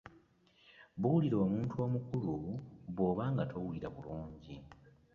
Buulira omuntu omukulu bwoba nga towulira bulungi.